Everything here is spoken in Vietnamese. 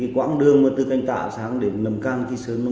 quãng đường từ canh tạ sang nầm can kỳ sơn